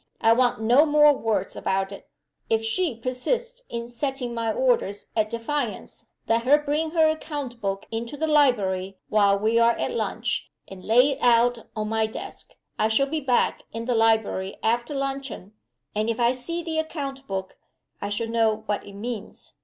I want no more words about it. If she persists in setting my orders at defiance, let her bring her account book into the library, while we are at lunch, and lay it out my desk. I shall be back in the library after luncheon and if I see the account book I shall know what it means.